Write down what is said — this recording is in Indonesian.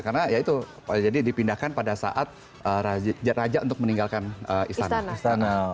karena ya itu jadi dipindahkan pada saat raja untuk meninggalkan istana